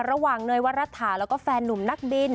ระหว่างเนยวรัฐาแล้วก็แฟนนุ่มนักบิน